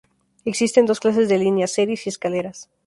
Existen dos clases de líneas: series y escaleras.